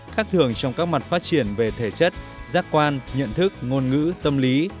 khác thường trong các mặt phát triển về thể chất giác quan nhận thức ngôn ngữ tâm lý